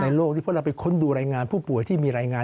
โลกที่เพราะเราไปค้นดูรายงานผู้ป่วยที่มีรายงาน